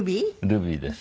ルビーです。